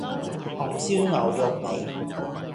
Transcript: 紅燒牛肉味